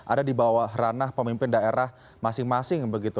ada di bawah ranah pemimpin daerah masing masing begitu